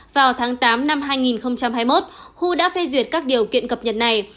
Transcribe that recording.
vào tháng tám năm hai nghìn hai mươi một khu đã phê duyệt các điều kiện cập nhật này